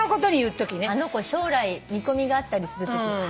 あの子将来見込みがあったりするとき。